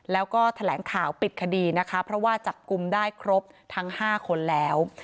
แล้วก็แถลงข่าวปิดคดีนะคะเพราะว่าจับกลุ่มได้ครบทั้ง๕คนแล้ว